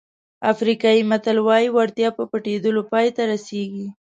افریقایي متل وایي وړتیا په پټېدلو پای ته رسېږي.